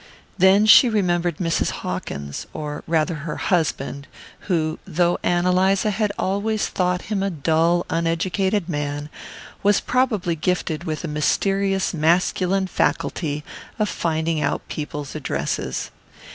Then she remembered Mrs. Hawkins, or rather her husband, who, though Ann Eliza had always thought him a dull uneducated man, was probably gifted with the mysterious masculine faculty of finding out people's addresses.